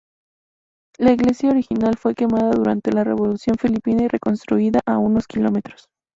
La iglesia original fue quemada durante la Revolución Filipina y reconstruida a unos kilómetros.